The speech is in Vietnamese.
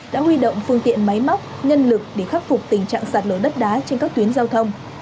đã huy động phương tiện máy móc nhân lực để khắc phục tình trạng sạt lở đất đá trên các tuyến giao thông